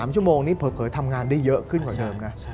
๓ชั่วโมงนี้เผลอทำงานได้เยอะขึ้นกว่าเดิมไง